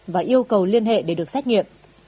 và yêu cầu liên hệ để được xét nghiệm